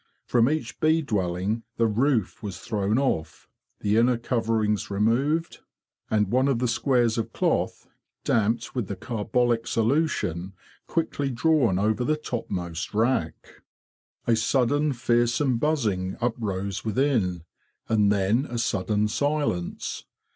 From each bee dwelling the roof was thrown off, the inner cgverings removed, and one of the squares IN A BEE CAMP 67 of cloth—damped with the carbolic solution—quickly drawn over the topmost rack. A sudden fearsome buzzing uprose within, and then a sudden silence.